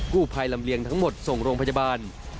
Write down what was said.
ผู้ภัยลำเลียงทั้งหมดส่งโรงพยาบาล